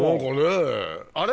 あれ？